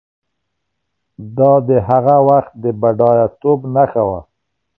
دا د هغه وخت د بډایه توب نښه وه.